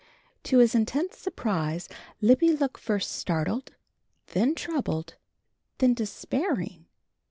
To his intense surprise Libby looked first startled, then troubled, then despairing.